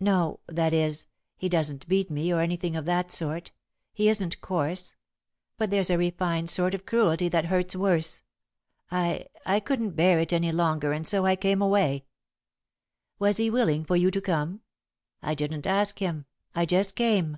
"No, that is, he doesn't beat me or anything of that sort. He isn't coarse. But there's a refined sort of cruelty that hurts worse. I I couldn't bear it any longer, and so I came away." "Was he willing for you to come?" "I didn't ask him. I just came."